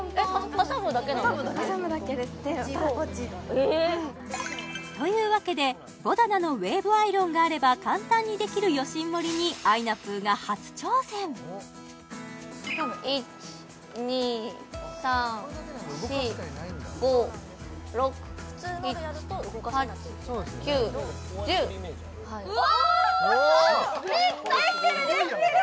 挟むだけですえというわけでＶＯＤＡＮＡのウェーブアイロンがあれば簡単にできるヨシンモリにあいなぷぅが初挑戦１２３４５６７８９１０できてるできてる！